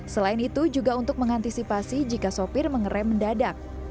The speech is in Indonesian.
selain itu juga untuk mengantisipasi jika sopir mengerai mendadak